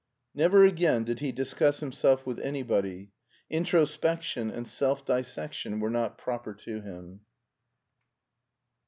Never again did he discuss himself with anybody: introspection and self dissection were not proper to him.